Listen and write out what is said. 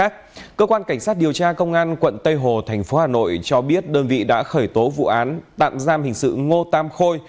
cơ quan cảnh sát điều tra công an quận tây hồ thành phố hà nội cho biết đơn vị đã khởi tố vụ án tạm giam hình sự ngô tam khôi